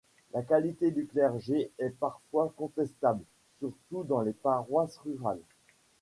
La qualité du clergé est parfois contestable, surtout dans les paroisses rurales.